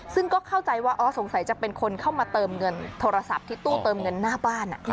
ซึ่งก็เข้าใจว่าอ๋อสงสัยจะเป็นคนเข้ามาเติมเงินโทรศัพท์ที่ตู้เติมเงินหน้าบ้าน